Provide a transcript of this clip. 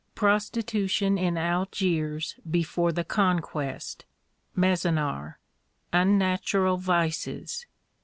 Prostitution in Algiers before the Conquest. Mezonar. Unnatural Vices.